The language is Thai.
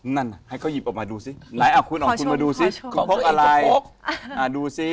นั่นให้เขาหยิบออกมาดูสิไหนอ่ะคุณของคุณมาดูสิคุณพกอะไรดูซิ